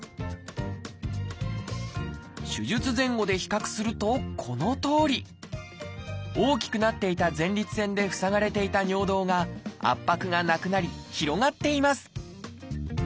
手術前後で比較するとこのとおり。大きくなっていた前立腺で塞がれていた尿道が圧迫がなくなり広がっています。